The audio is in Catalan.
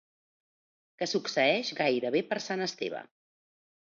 Que succeeix, gairebé per sant Esteve.